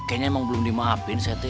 kayaknya emang belum dimaafin saya teh